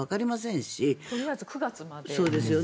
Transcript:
とりあえず９月までですよね。